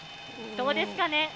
どうですかね。